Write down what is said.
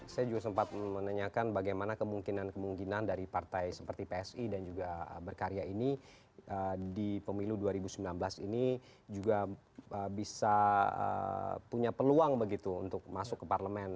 saya juga sempat menanyakan bagaimana kemungkinan kemungkinan dari partai seperti psi dan juga berkarya ini di pemilu dua ribu sembilan belas ini juga bisa punya peluang begitu untuk masuk ke parlemen